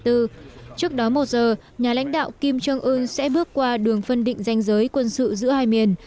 trước đó một giờ nhà lãnh đạo kim trương ưn sẽ bước qua đường phân định danh giới quân sự giữa hai miền